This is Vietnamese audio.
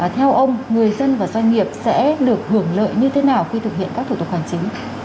theo ông người dân và doanh nghiệp sẽ được hưởng lợi như thế nào khi thực hiện các thủ tục hành chính